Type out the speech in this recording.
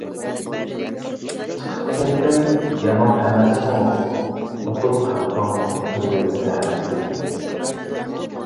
چىقىپ كەتتىم يامان ئەمەسمۇ، خوتۇن خەقنىڭ تىلى تەنىسى.